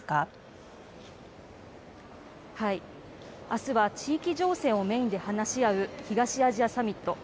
明日は地域情勢をメインで話し合う東アジアサミット。